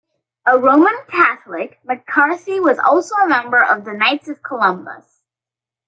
A Roman Catholic, MacCarthy was also a member of the Knights of Columbus.